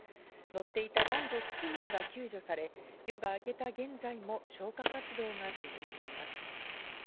乗っていた男女７人が救助され、夜があけた現在も消火活動が続いています。